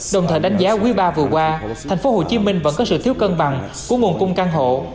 đồng thời đánh giá quý ba vừa qua thành phố hồ chí minh vẫn có sự thiếu cân bằng của nguồn cung căn hộ